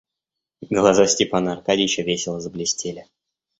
Глаза Степана Аркадьича весело заблестели.